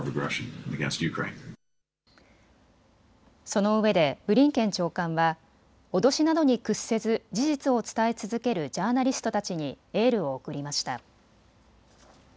そのうえでブリンケン長官は脅しなどに屈せず事実を伝え続けるジャーナリストたちにエールを送りました。